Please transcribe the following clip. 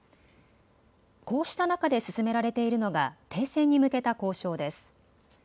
こうした中で進められているのが停戦に向けた交渉です。